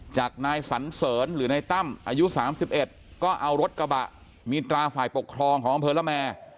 จากนายสันเสริญหรือนายตั้มอายุ๓๑ก็เอารถกระบะมีตราฝ่ายปกครองของอำเภอละแม